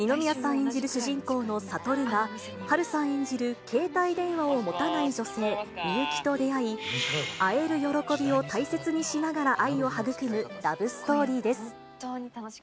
演じる主人公の悟は、波瑠さん演じる携帯電話を持たない女性、みゆきと出会い、会える喜びを大切にしながら愛を育むラブストーリーです。